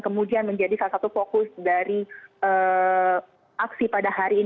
kemudian menjadi salah satu fokus dari aksi pada hari ini